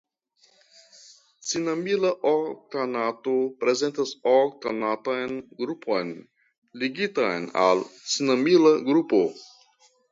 Cinamila oktanato prezentas oktanatan grupon ligitan al cinamila grupo.